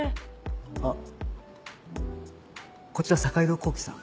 あこちら坂井戸洸稀さん。